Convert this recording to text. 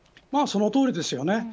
そのとおりですよね。